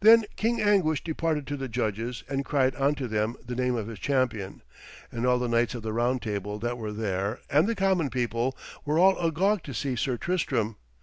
Then King Anguish departed to the judges and cried unto them the name of his champion, and all the knights of the Round Table that were there, and the common people, were all agog to see Sir Tristram.